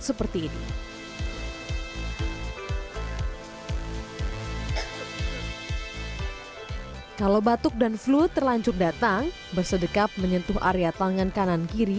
seperti ini kalau batuk dan flu terlanjur datang bersedekap menyentuh area tangan kanan kiri